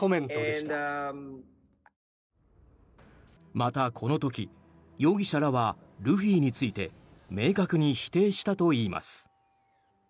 またこの時、容疑者らはルフィについて明確に否定したといいます。